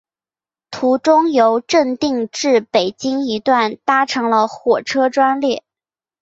途中由正定至北京一段乘搭了火车专列。